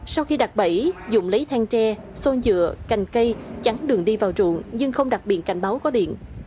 sau khi đặt bẫy dũng lấy than tre xôn dựa cành cây chắn đường đi vào trụng nhưng không đặt biện cảnh báo có điện